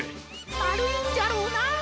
まるいんじゃろうな。